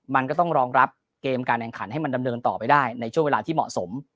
มันก็ต้องรองรับเกมการแข่งขันให้มันดำเนินต่อไปได้ในช่วงเวลาที่เหมาะสม